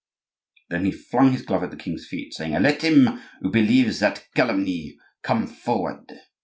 Then he flung his glove at the king's feet, saying: "Let him who believes that calumny come forward!"